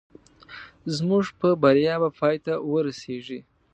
زموږ په بریا به پای ته ورسېږي